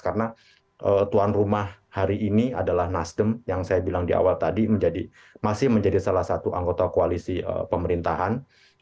karena tuan rumah hari ini adalah nasdem yang saya bilang di awal tadi masih menjadi salah satu anggota koalisi pemerintahan